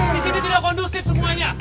di sini tidak kondusif semuanya